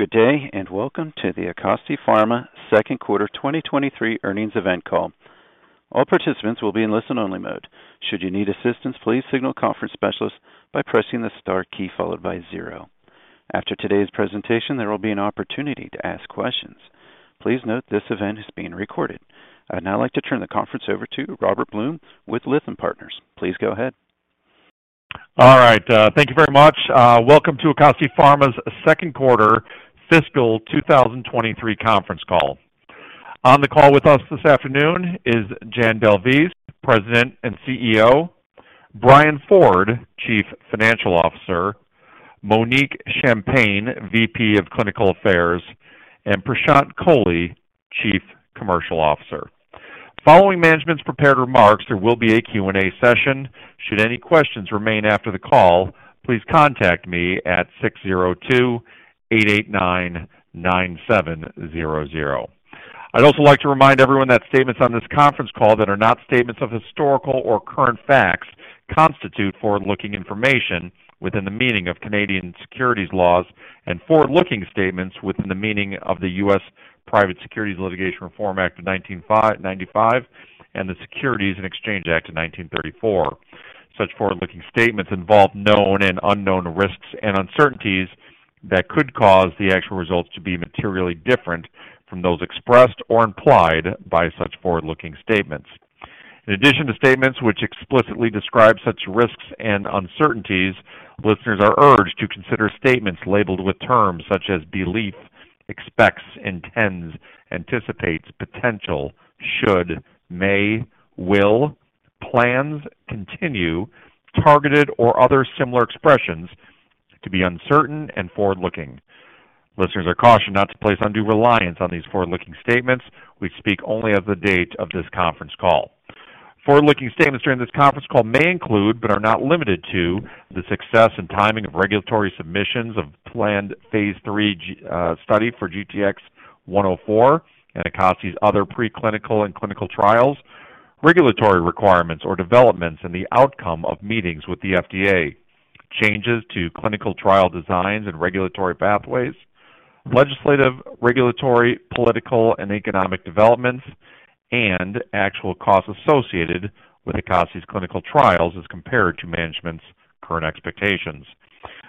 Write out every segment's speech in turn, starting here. Good day, and welcome to the Acasti Pharma Second Quarter 2023 earnings event call. All participants will be in listen-only mode. Should you need assistance, please signal conference specialist by pressing the star key followed by zero. After today's presentation, there will be an opportunity to ask questions. Please note this event is being recorded. I'd now like to turn the conference over to Robert Blum with Lytham Partners. Please go ahead. All right. Thank you very much. Welcome to Acasti Pharma's Second Quarter Fiscal 2023 conference call. On the call with us this afternoon is Jan D'Alvise, President and CEO, Brian Ford, Chief Financial Officer, Monique Champagne, VP of Clinical Affairs, and Prashant Kohli, Chief Commercial Officer. Following management's prepared remarks, there will be a Q&A session. I'd also like to remind everyone that statements on this conference call that are not statements of historical or current facts constitute forward-looking information within the meaning of Canadian securities laws and forward-looking statements within the meaning of the U.S. Private Securities Litigation Reform Act of 1995 and the Securities Exchange Act of 1934. Such forward-looking statements involve known and unknown risks and uncertainties that could cause the actual results to be materially different from those expressed or implied by such forward-looking statements. In addition to statements which explicitly describe such risks and uncertainties, listeners are urged to consider statements labeled with terms such as believes, expects, intends, anticipates, potential, should, may, will, plans, continue, targeted, or other similar expressions to be uncertain and forward-looking. Listeners are cautioned not to place undue reliance on these forward-looking statements. We speak only as of the date of this conference call. Forward-looking statements during this conference call may include, but are not limited to, the success and timing of regulatory submissions of planned phase III study for GTX-104 and Acasti Pharma's other preclinical and clinical trials, regulatory requirements or developments in the outcome of meetings with the FDA, changes to clinical trial designs and regulatory pathways, legislative, regulatory, political, and economic developments, and actual costs associated with Acasti Pharma's clinical trials as compared to management's current expectations.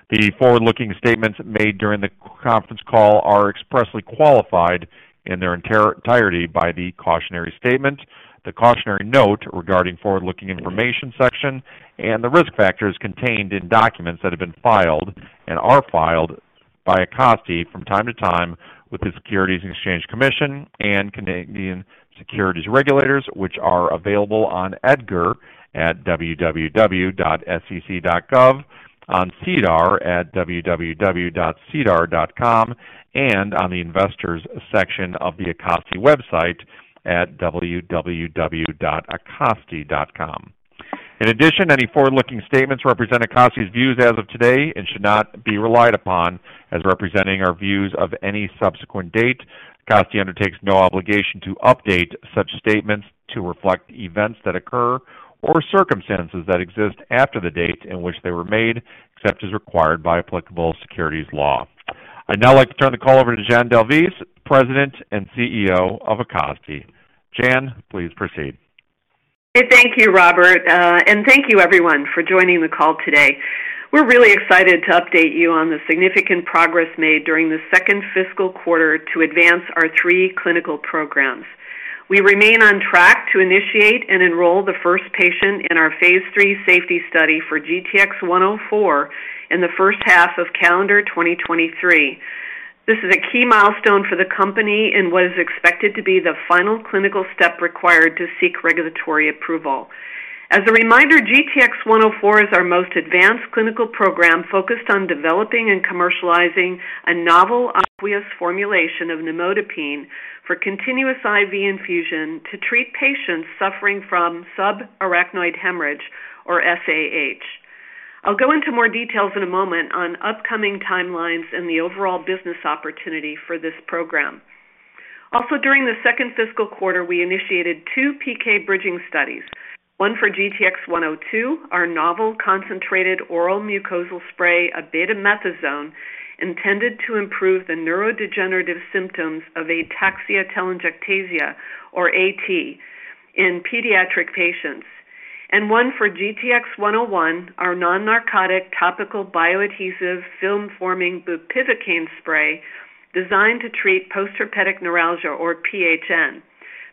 The forward-looking statements made during the conference call are expressly qualified in their entirety by the cautionary statement, the cautionary note regarding forward-looking information section, and the risk factors contained in documents that have been filed and are filed by Acasti from time to time with the Securities and Exchange Commission and Canadian Securities Regulators, which are available on EDGAR at www.sec.gov, on SEDAR at www.sedar.com, and on the investors section of the Acasti website at www.acasti.com. In addition, any forward-looking statements represent Acasti's views as of today and should not be relied upon as representing our views of any subsequent date. Acasti undertakes no obligation to update such statements to reflect events that occur or circumstances that exist after the date in which they were made, except as required by applicable securities law. I'd now like to turn the call over to Janelle D'Alvise, President and CEO of Acasti. Jan, please proceed. Thank you, Robert. Thank you everyone for joining the call today. We're really excited to update you on the significant progress made during the Second Fiscal Quarter to advance our three clinical programs. We remain on track to initiate and enroll the first patient in our phase III safety study for GTX-104 in the H1 of calendar 2023. This is a key milestone for the company and what is expected to be the final clinical step required to seek regulatory approval. As a reminder, GTX-104 is our most advanced clinical program focused on developing and commercializing a novel aqueous formulation of Nimodipine for continuous IV infusion to treat patients suffering from subarachnoid hemorrhage or SAH. I'll go into more details in a moment on upcoming timelines and the overall business opportunity for this program. Also, during the Second Fiscal Quarter, we initiated two PK bridging studies, one for GTX-102, our novel concentrated oral mucosal spray of betamethasone intended to improve the neurodegenerative symptoms of Ataxia-telangiectasia, or AT, in pediatric patients. One for GTX-101, our non-narcotic topical bioadhesive film-forming bupivacaine spray designed to treat postherpetic neuralgia or PHN,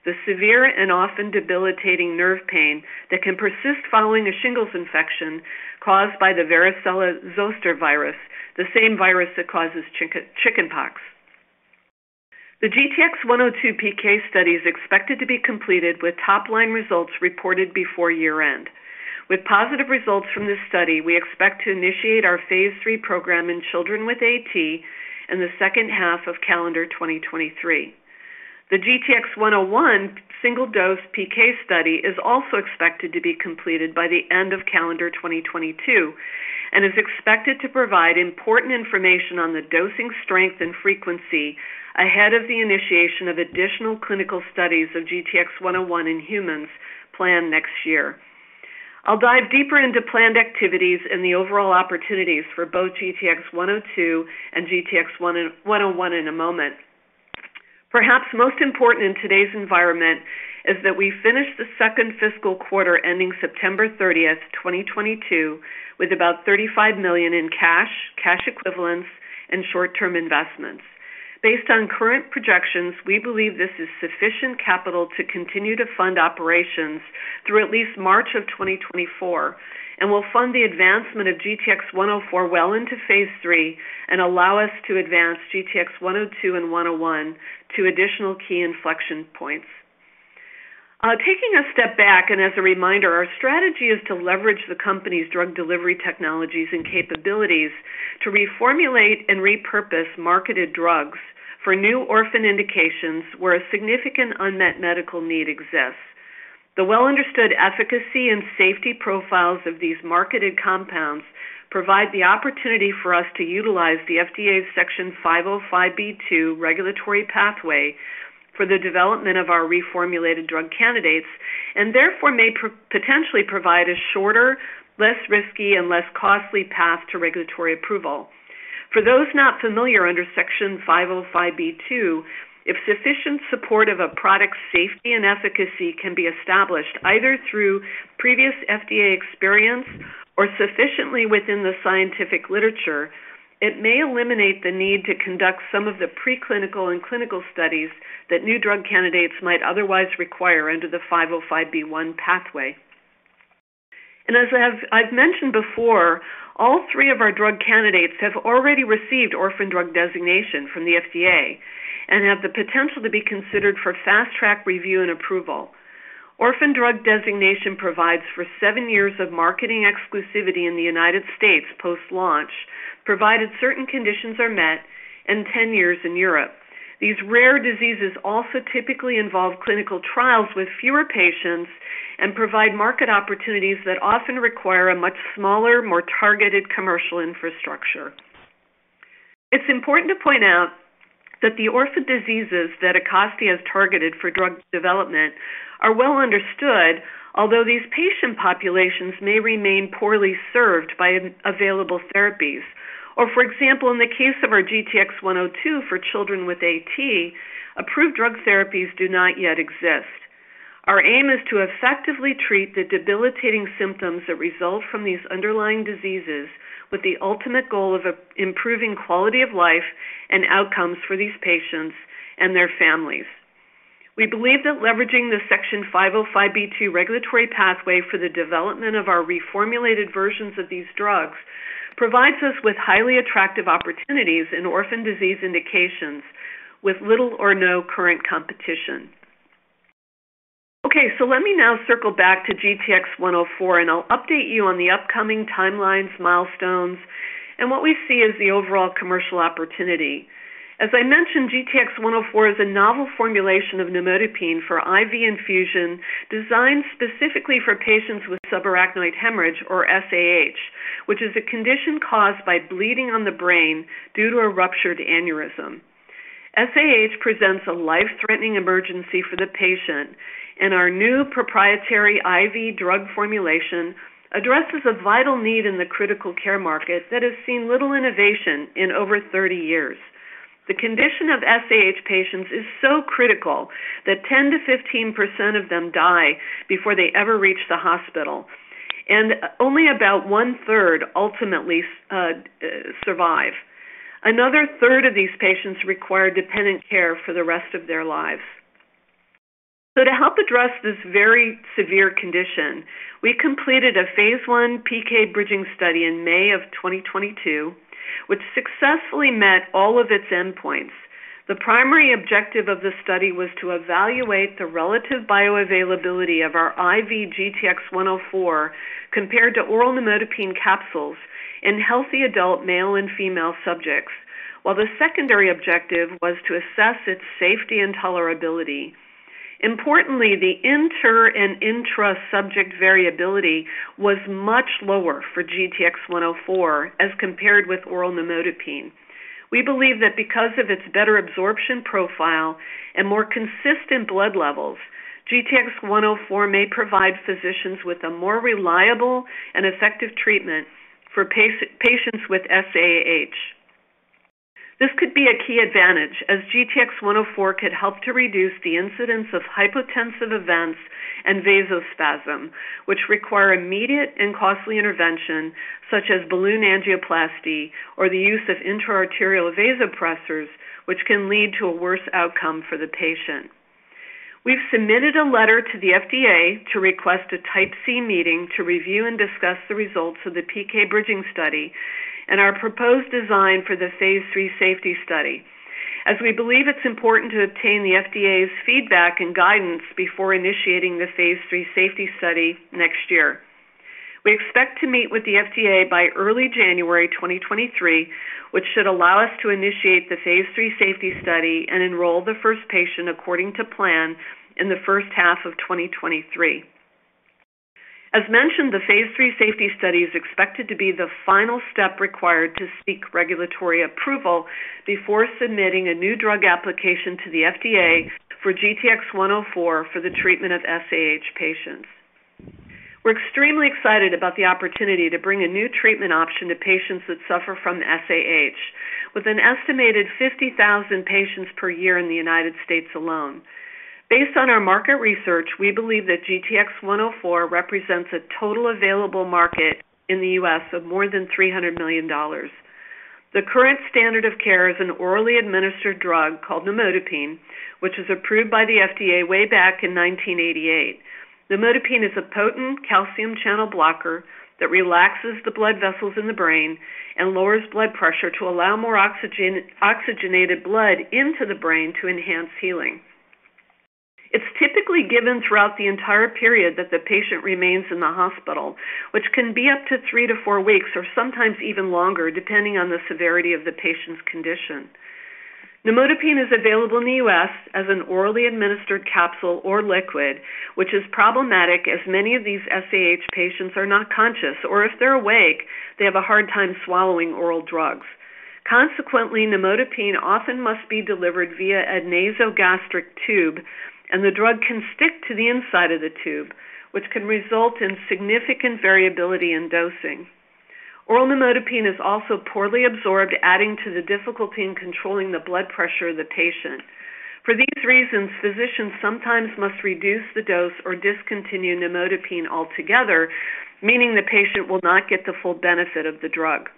the severe and often debilitating nerve pain that can persist following a shingles infection caused by the varicella-zoster virus, the same virus that causes chickenpox. The GTX-102 PK study is expected to be completed with top-line results reported before year-end. With positive results from this study, we expect to initiate our phase III program in children with AT in the H2 of calendar 2023. The GTX-101 single dose PK study is also expected to be completed by the end of calendar 2022 and is expected to provide important information on the dosing strength and frequency ahead of the initiation of additional clinical studies of GTX-101 in humans planned next year. I'll dive deeper into planned activities and the overall opportunities for both GTX-102 and GTX-101 in a moment. Perhaps most important in today's environment is that we finished the second fiscal quarter ending September 30th, 2022, with about $35 million in cash equivalents, and short-term investments. Based on current projections, we believe this is sufficient capital to continue to fund operations through at least March of 2024, and will fund the advancement of GTX-104 well into phase III and allow us to advance GTX-102 and GTX-101 to additional key inflection points. Taking a step back, as a reminder, our strategy is to leverage the company's drug delivery technologies and capabilities to reformulate and repurpose marketed drugs for new orphan indications where a significant unmet medical need exists. The well-understood efficacy and safety profiles of these marketed compounds provide the opportunity for us to utilize the FDA's Section 505(b)(2) regulatory pathway for the development of our reformulated drug candidates, and therefore may potentially provide a shorter, less risky, and less costly path to regulatory approval. For those not familiar, under Section 505(b)(2), if sufficient support of a product's safety and efficacy can be established, either through previous FDA experience or sufficiently within the scientific literature, it may eliminate the need to conduct some of the preclinical and clinical studies that new drug candidates might otherwise require under the 505(b)(1) pathway. I've mentioned before, all three of our drug candidates have already received Orphan Drug Designation from the FDA and have the potential to be considered for Fast Track and approval. Orphan Drug Designation provides for seven years of marketing exclusivity in the United States post-launch, provided certain conditions are met, and 10 years in Europe. These rare diseases also typically involve clinical trials with fewer patients and provide market opportunities that often require a much smaller, more targeted commercial infrastructure. It's important to point out that the orphan diseases that Acasti has targeted for drug development are well understood, although these patient populations may remain poorly served by any available therapies. For example, in the case of our GTX-102 for children with AT, approved drug therapies do not yet exist. Our aim is to effectively treat the debilitating symptoms that result from these underlying diseases, with the ultimate goal of improving quality of life and outcomes for these patients and their families. We believe that leveraging the Section 505(b)(2) regulatory pathway for the development of our reformulated versions of these drugs provides us with highly attractive opportunities in orphan disease indications with little or no current competition. Okay, let me now circle back to GTX-104, and I'll update you on the upcoming timelines, milestones, and what we see as the overall commercial opportunity. As I mentioned, GTX-104 is a novel formulation of Nimodipine for IV infusion designed specifically for patients with subarachnoid hemorrhage or SAH, which is a condition caused by bleeding on the brain due to a ruptured aneurysm. SAH presents a life-threatening emergency for the patient, and our new proprietary IV drug formulation addresses a vital need in the critical care market that has seen little innovation in over 30 years. The condition of SAH patients is so critical that 10%-15% of them die before they ever reach the hospital, and only about 1/3 ultimately survive. Another third of these patients require dependent care for the rest of their lives. To help address this very severe condition, we completed a phase I PK bridging study in May of 2022, which successfully met all of its endpoints. The primary objective of the study was to evaluate the relative bioavailability of our IV GTX-104 compared to oral Nimodipine capsules in healthy adult male and female subjects, while the secondary objective was to assess its safety and tolerability. Importantly, the inter- and intra-subject variability was much lower for GTX-104 as compared with oral Nimodipine. We believe that because of its better absorption profile and more consistent blood levels, GTX-104 may provide physicians with a more reliable and effective treatment for patients with SAH. This could be a key advantage as GTX-104 could help to reduce the incidence of hypotensive events and vasospasm, which require immediate and costly intervention, such as balloon angioplasty or the use of intra-arterial vasopressors, which can lead to a worse outcome for the patient. We've submitted a letter to the FDA to request a Type C meeting to review and discuss the results of the PK bridging study and our proposed design for the phase III safety study, as we believe it's important to obtain the FDA's feedback and guidance before initiating the phase III safety study next year. We expect to meet with the FDA by early January 2023, which should allow us to initiate the phase III safety study and enroll the first patient according to plan in the H1 of 2023. As mentioned, the phase III safety study is expected to be the final step required to seek regulatory approval before submitting a New Drug Application to the FDA for GTX-104 for the treatment of SAH patients. We're extremely excited about the opportunity to bring a new treatment option to patients that suffer from SAH with an estimated 50,000 patients per year in the United States alone. Based on our market research, we believe that GTX-104 represents a total available market in the U.S. of more than $300 million. The current standard of care is an orally administered drug called Nimodipine, which was approved by the FDA way back in 1988. Nimodipine is a potent calcium channel blocker that relaxes the blood vessels in the brain and lowers blood pressure to allow more oxygenated blood into the brain to enhance healing. It's typically given throughout the entire period that the patient remains in the hospital, which can be up to three-four weeks or sometimes even longer, depending on the severity of the patient's condition. Nimodipine is available in the U.S. as an orally administered capsule or liquid, which is problematic as many of these SAH patients are not conscious, or if they're awake, they have a hard time swallowing oral drugs. Consequently, Nimodipine often must be delivered via a nasogastric tube, and the drug can stick to the inside of the tube, which can result in significant variability in dosing. Oral Nimodipine is also poorly absorbed, adding to the difficulty in controlling the blood pressure of the patient. For these reasons, physicians sometimes must reduce the dose or discontinue Nimodipine altogether, meaning the patient will not get the full benefit of the drug.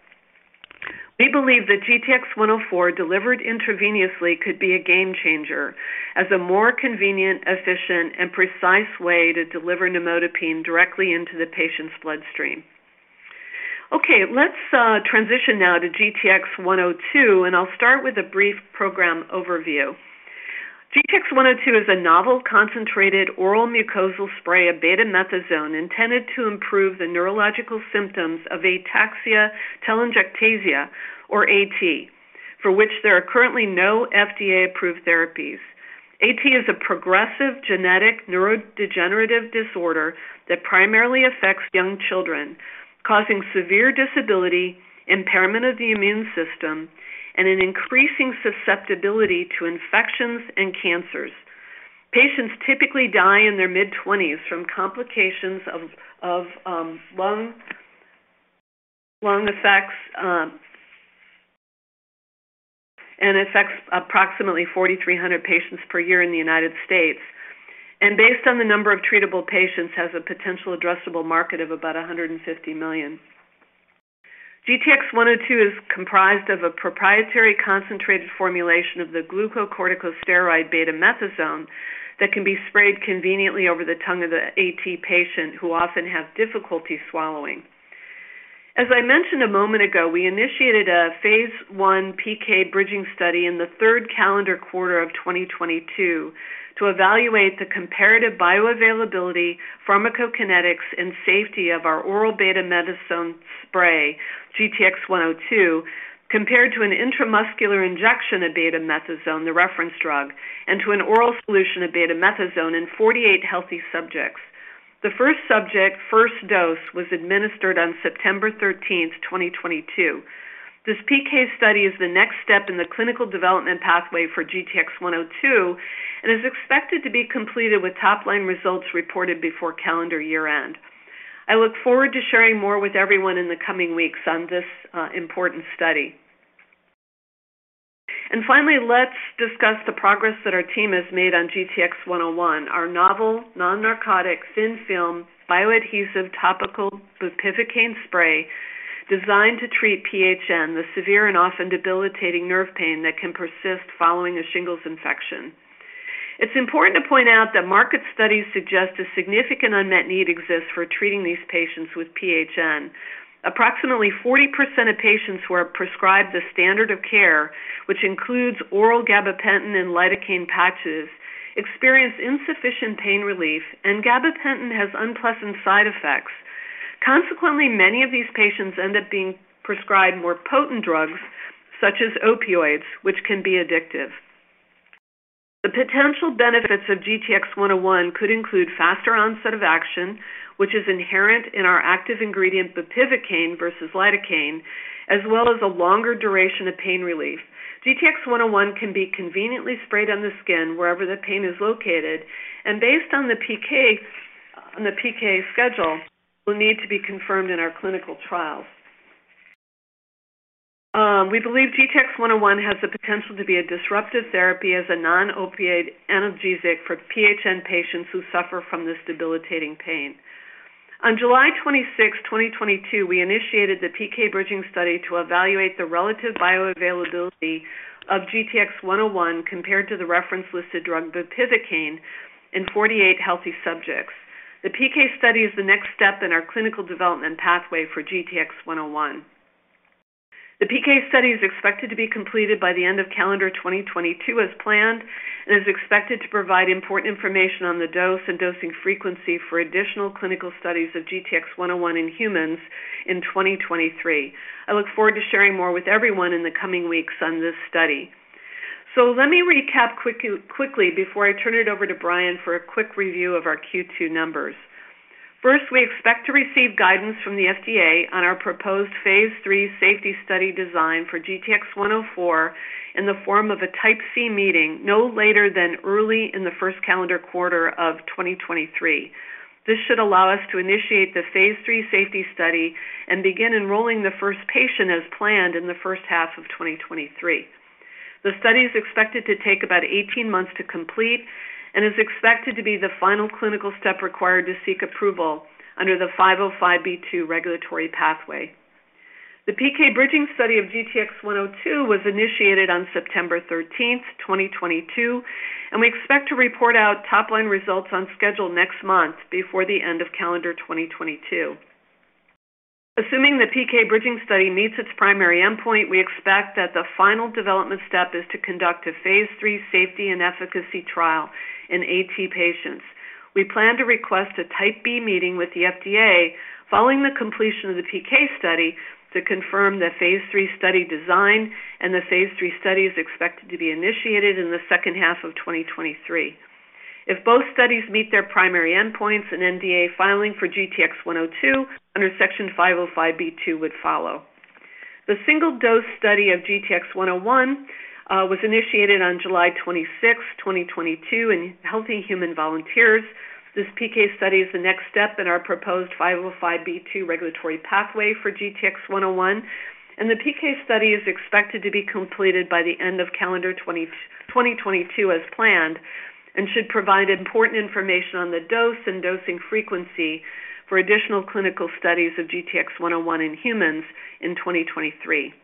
We believe that GTX-104 delivered intravenously could be a game-changer as a more convenient, efficient, and precise way to deliver Nimodipine directly into the patient's bloodstream. Okay, let's transition now to GTX-102, and I'll start with a brief program overview. GTX-102 is a novel, concentrated oral mucosal spray of Betamethasone intended to improve the neurological symptoms of Ataxia Telangiectasia or AT, for which there are currently no FDA-approved therapies. AT is a progressive genetic neurodegenerative disorder that primarily affects young children, causing severe disability, impairment of the immune system, and an increasing susceptibility to infections and cancers. Patients typically die in their mid-twenties from complications of lung effects and affects approximately 4,300 patients per year in the United States and based on the number of treatable patients, has a potential addressable market of about $150 million. GTX-102 is comprised of a proprietary concentrated formulation of the glucocorticosteroid Betamethasone that can be sprayed conveniently over the tongue of the AT patient, who often has difficulty swallowing. As I mentioned a moment ago, we initiated a phase I PK bridging study in the third calendar quarter of 2022 to evaluate the comparative bioavailability, pharmacokinetics, and safety of our oral Betamethasone spray, GTX-102, compared to an intramuscular injection of Betamethasone, the reference drug, and to an oral solution of Betamethasone in 48 healthy subjects. The first subject, first dose was administered on September 13th, 2022. This PK study is the next step in the clinical development pathway for GTX-102 and is expected to be completed with top-line results reported before calendar year-end. I look forward to sharing more with everyone in the coming weeks on this, important study. Finally, let's discuss the progress that our team has made on GTX-101, our novel non-narcotic, thin film bioadhesive topical Bupivacaine spray designed to treat PHN, the severe and often debilitating nerve pain that can persist following a shingles infection. It's important to point out that market studies suggest a significant unmet need exists for treating these patients with PHN. Approximately 40% of patients who are prescribed the standard of care, which includes oral Gabapentin and Lidocaine patches, experience insufficient pain relief, and Gabapentin has unpleasant side effects. Consequently, many of these patients end up being prescribed more potent drugs such as opioids, which can be addictive. The potential benefits of GTX-101 could include faster onset of action, which is inherent in our active ingredient Bupivacaine versus Lidocaine, as well as a longer duration of pain relief. GTX-101 can be conveniently sprayed on the skin wherever the pain is located and based on the PK, on the PK schedule will need to be confirmed in our clinical trials. We believe GTX-101 has the potential to be a disruptive therapy as a non-opioid analgesic for PHN patients who suffer from this debilitating pain. On July 26, 2022, we initiated the PK bridging study to evaluate the relative bioavailability of GTX-101 compared to the reference-listed drug Bupivacaine in 48 healthy subjects. The PK study is the next step in our clinical development pathway for GTX-101. The PK study is expected to be completed by the end of calendar 2022 as planned and is expected to provide important information on the dose and dosing frequency for additional clinical studies of GTX-101 in humans in 2023. I look forward to sharing more with everyone in the coming weeks on this study. Let me recap quickly before I turn it over to Brian for a quick review of our Q2 numbers. First, we expect to receive guidance from the FDA on our proposed phase III safety study design for GTX-104 in the form of a Type C meeting no later than early in the first calendar quarter of 2023. This should allow us to initiate the phase III safety study and begin enrolling the first patient as planned in the H1 of 2023. The study is expected to take about 18 months to complete and is expected to be the final clinical step required to seek approval under the 505(b)(2) regulatory pathway. The PK bridging study of GTX-102 was initiated on September 13, 2022, and we expect to report out top line results on schedule next month before the end of calendar 2022. Assuming the PK bridging study meets its primary endpoint, we expect that the final development step is to conduct a phase III safety and efficacy trial in AT patients. We plan to request a Type B meeting with the FDA following the completion of the PK study to confirm the phase III study design, and the phase III study is expected to be initiated in the H2 of 2023. If both studies meet their primary endpoints an NDA filing for GTX-102 under Section 505(b)(2) would follow. The single dose study of GTX-101 was initiated on July 26, 2022 in healthy human volunteers. This PK study is the next step in our proposed 505(b)(2) regulatory pathway for GTX-101, and the PK study is expected to be completed by the end of calendar 2022 as planned and should provide important information on the dose and dosing frequency for additional clinical studies of GTX-101 in humans in 2023.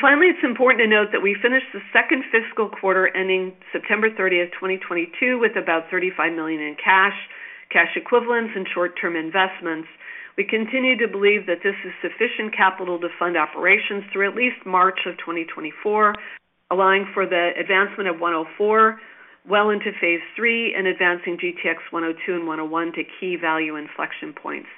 Finally, it's important to note that we finished the second fiscal quarter ending September 30, 2022, with about $35 million in cash equivalents, and short-term investments. We continue to believe that this is sufficient capital to fund operations through at least March of 2024, allowing for the advancement of GTX-104 well into phase III and advancing GTX-102 and GTX-101 to key value inflection points.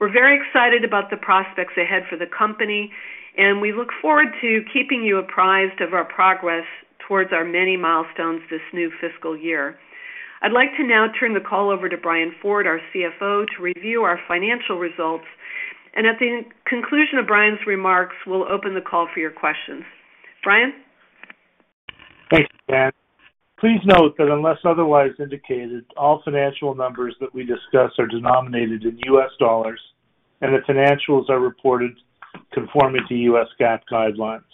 We're very excited about the prospects ahead for the company, and we look forward to keeping you apprised of our progress towards our many milestones this new fiscal year. I'd like to now turn the call over to Brian Ford, our CFO, to review our financial results. At the conclusion of Brian's remarks, we'll open the call for your questions. Brian? Thanks, Jan. Please note that unless otherwise indicated, all financial numbers that we discuss are denominated in US dollars and the financials are reported conforming to US GAAP guidelines.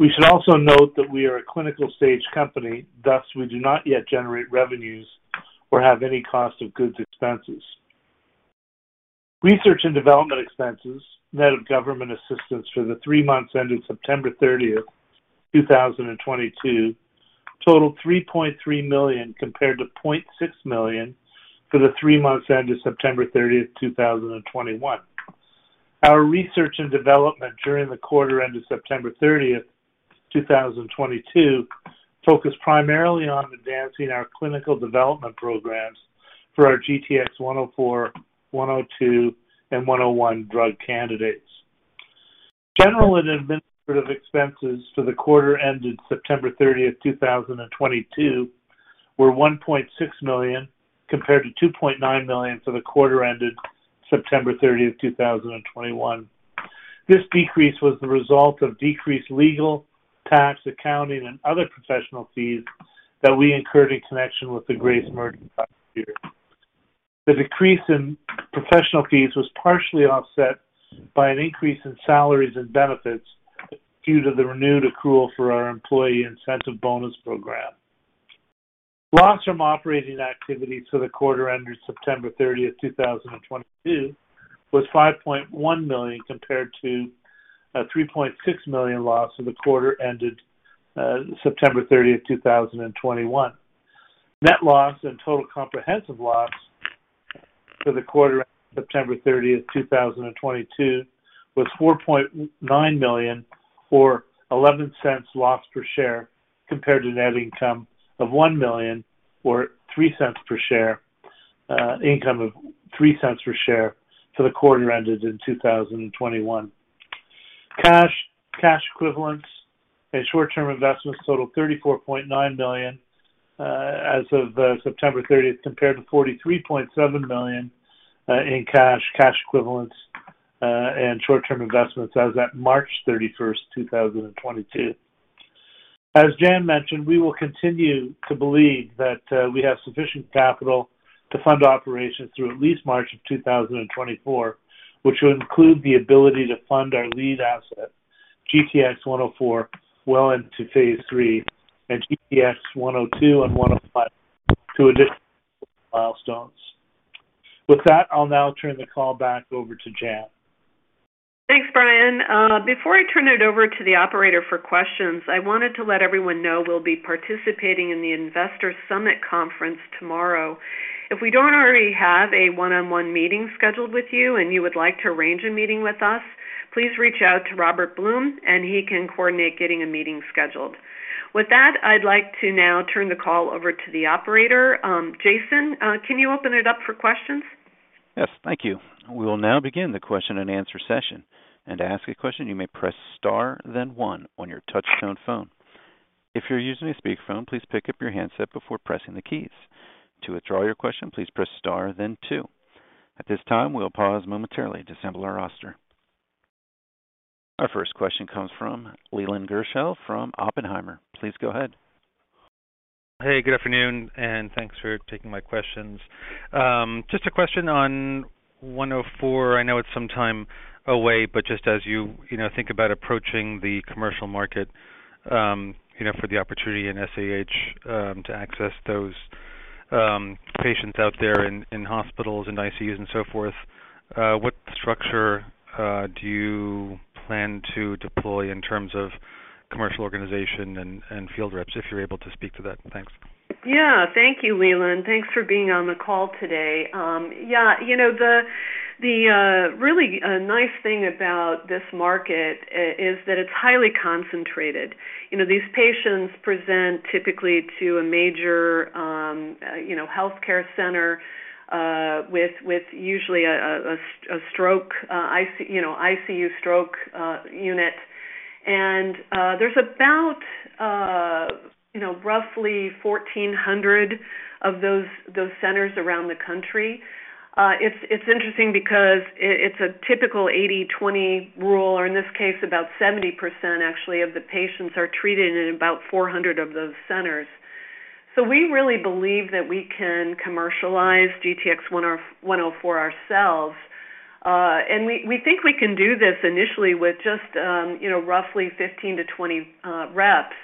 We should also note that we are a clinical stage company, thus we do not yet generate revenues or have any cost of goods expenses. Research and Development expenses net of government assistance for the three months ending September 30th, 2022 totaled $3.3 million compared to $0.6 million for the three months ending September 30th, 2021. Our Research and Development during the quarter ended September 30th, 2022, focused primarily on advancing our clinical development programs for our GTX-104, GTX-102, and GTX-101 drug candidates. General and administrative expenses for the quarter ended September 30th, 2022 were $1.6 million compared to $2.9 million for the quarter ended September 30th, 2021. This decrease was the result of decreased legal, tax, accounting and other professional fees that we incurred in connection with the Grace merger last year. The decrease in professional fees was partially offset by an increase in salaries and benefits due to the renewed accrual for our employee incentive bonus program. Loss from operating activities for the quarter ended September 30th, 2022 was $5.1 million compared to a $3.6 million loss for the quarter ended September 30th, 2021. Net loss and total comprehensive loss for the quarter ended September 30th, 2022 was $4.9 million or $0.11 loss per share compared to net income of $1 million or $0.03 per share for the quarter ended in 2021. Cash, cash equivalents and short-term investments totaled $34.9 million as of September 30, compared to $43.7 million in cash equivalents, and short-term investments as of March 31, 2022. As Jan mentioned, we will continue to believe that we have sufficient capital to fund operations through at least March of 2024, which will include the ability to fund our lead asset, GTX-104, well into phase III and GTX-102 and GTX-105 to additional milestones. With that, I'll now turn the call back over to Jan. Thanks, Brian. Before I turn it over to the operator for questions, I wanted to let everyone know we'll be participating in the Investor Summit conference tomorrow. If we don't already have a one-on-one meeting scheduled with you and you would like to arrange a meeting with us, please reach out to Robert Blum and he can coordinate getting a meeting scheduled. With that, I'd like to now turn the call over to the operator. Jason, can you open it up for questions? Yes, thank you. We will now begin the Question and Answer session. To ask a question, you may press star then one on your touch-tone phone. If you're using a speakerphone, please pick up your handset before pressing the keys. To withdraw your question, please press star then two. At this time, we'll pause momentarily to assemble our roster. Our first question comes from Leland Gershell from Oppenheimer. Please go ahead. Hey, good afternoon, and thanks for taking my questions. Just a question on 104. I know it's some time away, but just as you you know think about approaching the commercial market, you know, for the opportunity in SAH, to access those patients out there in hospitals and ICUs and so forth, what structure do you plan to deploy in terms of commercial organization and field reps, if you're able to speak to that? Thanks. Yeah. Thank you, Leland. Thanks for being on the call today. Yeah. You know, the really nice thing about this market is that it's highly concentrated. You know, these patients present typically to a major, you know, healthcare center with usually a stroke ICU unit. There's about, you know, roughly 1,400 of those centers around the country. It's interesting because it's a typical 80-20 rule, or in this case, about 70% actually of the patients are treated in about 400 of those centers. We really believe that we can commercialize GTX-104 ourselves. We think we can do this initially with just, you know, roughly 15-20 reps,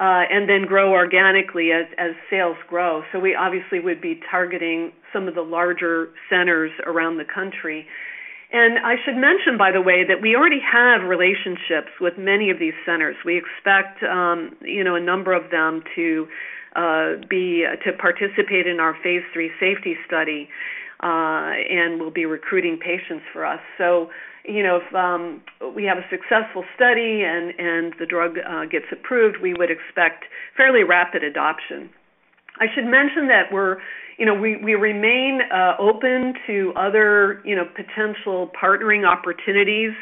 and then grow organically as sales grow. We obviously would be targeting some of the larger centers around the country. I should mention, by the way, that we already have relationships with many of these centers. We expect, you know, a number of them to participate in our phase III safety study, and will be recruiting patients for us. You know, if we have a successful study and the drug gets approved, we would expect fairly rapid adoption. I should mention that we're, you know, we remain open to other, you know, potential partnering opportunities,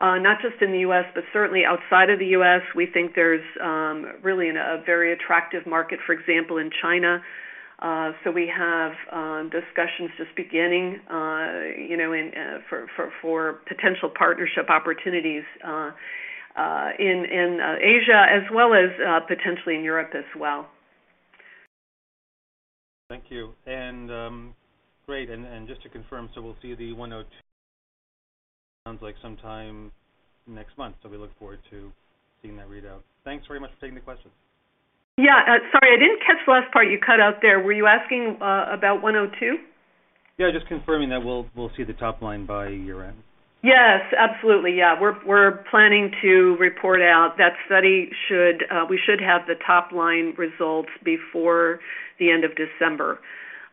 not just in the U.S., but certainly outside of the U.S. We think there's really a very attractive market, for example, in China. We have discussions just beginning, you know, in for potential partnership opportunities in Asia as well as potentially in Europe as well. Thank you. Great. Just to confirm, we'll see the 102 sounds like sometime next month. We look forward to seeing that readout. Thanks very much for taking the questions. Yeah. Sorry, I didn't catch the last part you cut out there. Were you asking about 102? Yeah, just confirming that we'll see the top line by year-end. Yes, absolutely. Yeah. We're planning to report out. That study should, we should have the top-line results before the end of December.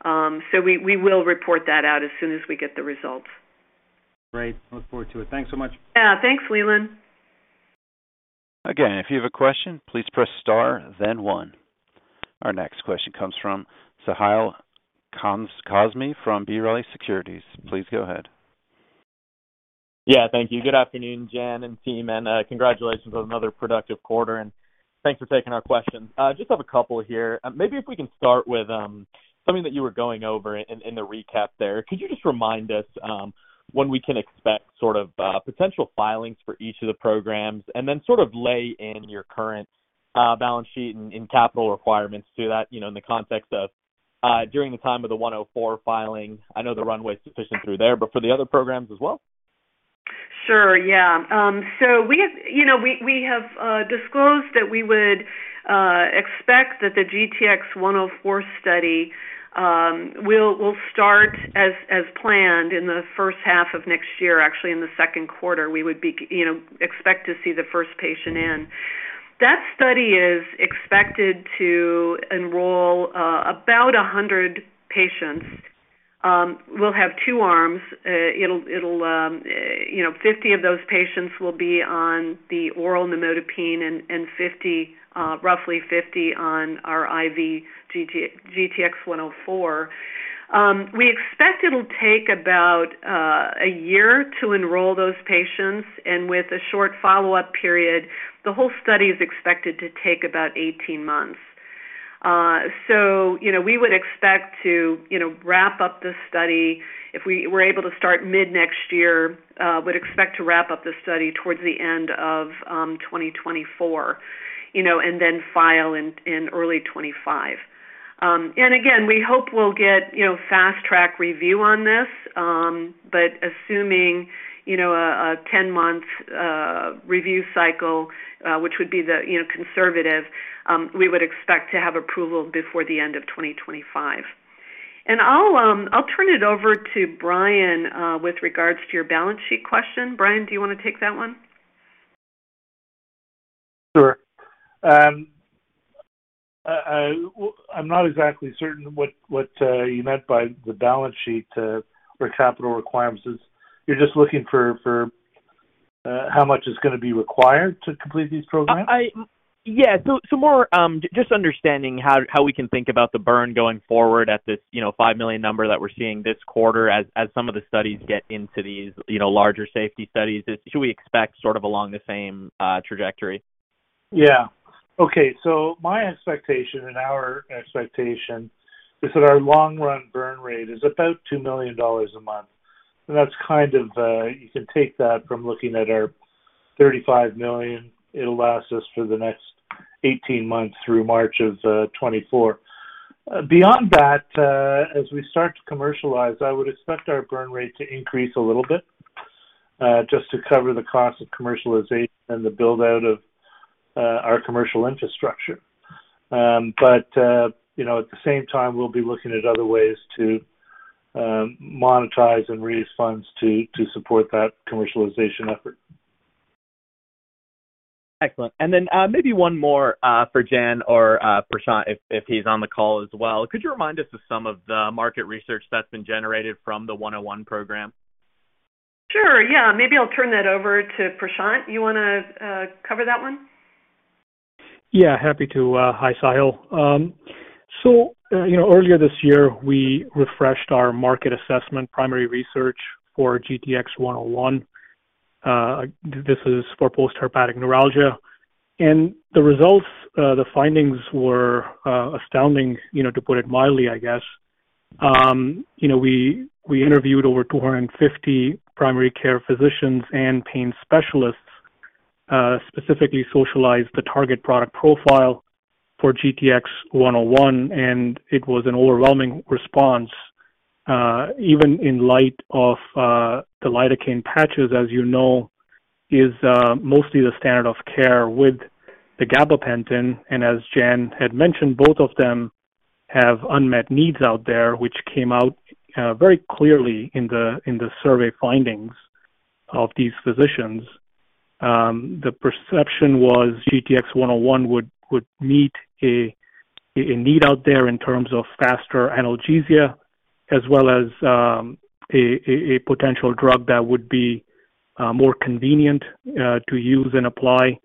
So we will report that out as soon as we get the results. Great. Look forward to it. Thanks so much. Yeah. Thanks, Leland. Again, if you have a question, please press star then one. Our next question comes from Sahil Kazmi from B. Riley Securities. Please go ahead. Yeah, thank you. Good afternoon, Jan and team, and congratulations on another productive quarter, and thanks for taking our questions. Just have a couple here. Maybe if we can start with something that you were going over in the recap there. Could you just remind us when we can expect sort of potential filings for each of the programs and then sort of lay in your current balance sheet and capital requirements to that, you know, in the context of during the time of the GTX-104 filing? I know the runway's sufficient through there, but for the other programs as well. Sure. Yeah. We have, you know, disclosed that we would expect that the GTX-104 study will start as planned in the H1 of next year. Actually, in the second quarter, we would expect to see the first patient in. That study is expected to enroll about 100 patients. We'll have two arms. It'll, you know, 50 of those patients will be on the oral Nimodipine and 50, roughly 50 on our IV GTX-104. We expect it'll take about a year to enroll those patients, and with a short follow-up period, the whole study is expected to take about 18 months. You know, we would expect to you know, wrap up the study. If we were able to start mid next year, would expect to wrap up the study towards the end of 2024, you know, and then file in early 2025. Again, we hope we'll get, you know, Fast Track on this. But assuming, you know, a 10-month review cycle, which would be the conservative, we would expect to have approval before the end of 2025. I'll turn it over to Brian with regards to your balance sheet question. Brian, do you wanna take that one? Sure. I'm not exactly certain what you meant by the Balance Sheet or capital requirements. You're just looking for how much is gonna be required to complete these programs? Yeah. More just understanding how we can think about the Burn going forward at this, you know, $5 million number that we're seeing this quarter as some of the studies get into these, you know, larger Safety Studies. Should we expect sort of along the same trajectory? Yeah. Okay, my expectation and our expectation is that our long run Burn Rate is about $2 million a month. That's kind of, you can take that from looking at our $35 million. It'll last us for the next 18 months through March of 2024. Beyond that, as we start to commercialize, I would expect our Burn Rate to increase a little bit, just to cover the cost of commercialization and the build-out of our commercial infrastructure. You know, at the same time we'll be looking at other ways to monetize and raise funds to support that commercialization effort. Excellent. Maybe one more for Jan or Prashant if he's on the call as well. Could you remind us of some of the market research that's been generated from the GTX-101 program? Sure, yeah. Maybe I'll turn that over to Prashant. You wanna cover that one? Yeah, happy to. Hi, Sahil. So, you know, earlier this year we refreshed our market assessment primary research for GTX-101. This is for postherpetic neuralgia. The results, the findings were astounding, you know, to put it mildly, I guess. You know, we interviewed over 250 primary care physicians and pain specialists, specifically socialized the Target Product Profile for GTX-101, and it was an overwhelming response, even in light of the Lidocaine patches, as you know, is mostly the standard of care with the Gabapentin. As Jan had mentioned, both of them have unmet needs out there, which came out very clearly in the survey findings of these physicians. The perception was GTX-101 would meet a need out there in terms of faster analgesia, as well as a potential drug that would be more convenient to use and apply.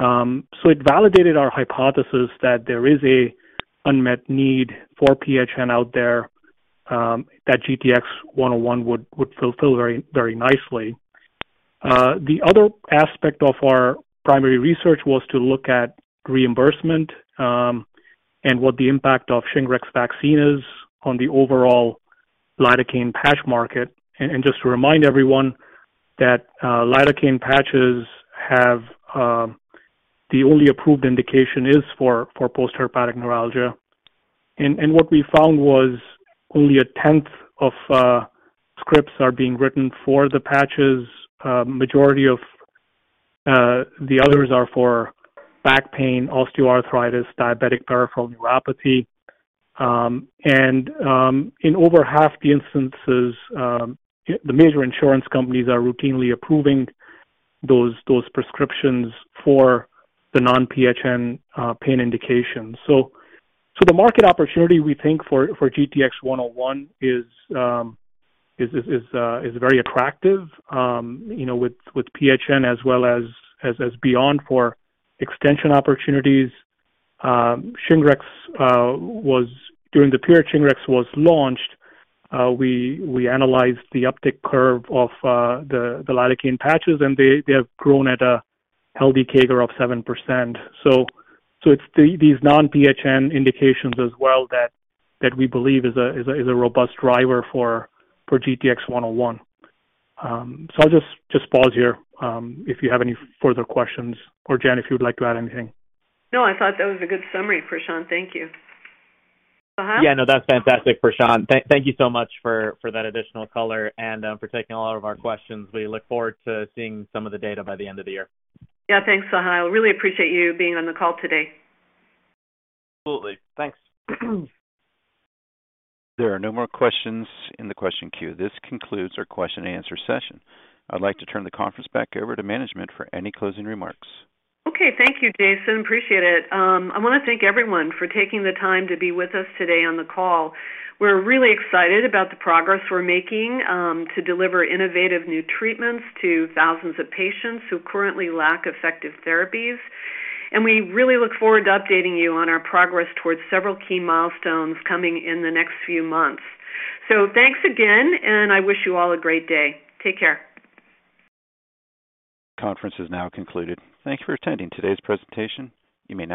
It validated our hypothesis that there is an unmet need for PHN out there that GTX-101 would fulfill very nicely. The other aspect of our primary research was to look at reimbursement and what the impact of Shingrix vaccine is on the overall Lidocaine patch market. Just to remind everyone that Lidocaine patches have the only approved indication for Postherpetic Neuralgia. What we found was only a tenth of scripts are being written for the patches. Majority of the others are for back pain, osteoarthritis, Diabetic Peripheral Neuropathy. In over half the instances, the major insurance companies are routinely approving those prescriptions for the Non-PHN pain indications. The market opportunity we think for GTX-101 is very attractive, you know, with PHN as well as beyond for extension opportunities. Shingrix during the period Shingrix was launched, we analyzed the uptick curve of the Lidocaine patches, and they have grown at a healthy CAGR of 7%. It's these Non-PHN indications as well that we believe is a robust driver for GTX-101. I'll just pause here, if you have any further questions or Jan, if you would like to add anything. No, I thought that was a good summary, Prashant. Thank you. Sahil? Yeah, no, that's fantastic, Prashant. Thank you so much for that additional color and for taking a lot of our questions. We look forward to seeing some of the data by the end of the year. Yeah, thanks, Sahil. Really appreciate you being on the call today. Absolutely. Thanks. There are no more questions in the question queue. This concludes our question and answer session. I'd like to turn the conference back over to management for any closing remarks. Okay. Thank you, Jason. Appreciate it. I wanna thank everyone for taking the time to be with us today on the call. We're really excited about the progress we're making to deliver innovative new treatments to thousands of patients who currently lack effective therapies. We really look forward to updating you on our progress towards several key milestones coming in the next few months. Thanks again, and I wish you all a great day. Take care. Conference is now concluded. Thank you for attending today's presentation. You may now